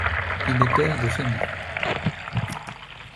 Il est père de famille.